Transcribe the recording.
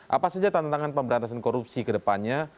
apa saja tantangan pemberantasan korupsi ke depannya